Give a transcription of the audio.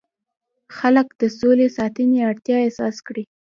خلک د سولې ساتنې اړتیا احساس کړي.